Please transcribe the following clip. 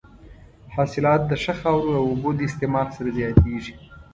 حاصلات د ښه خاورو او اوبو د استعمال سره زیاتېږي.